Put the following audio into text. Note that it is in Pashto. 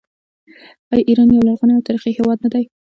آیا ایران یو لرغونی او تاریخي هیواد نه دی؟